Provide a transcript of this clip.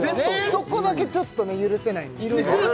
そこだけちょっとね許せないんですね